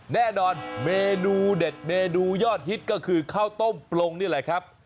แน่นอนเมนูเด็ดเมนูยอดฮิตก็คือข้าวต้มปลงนี่แหละครับ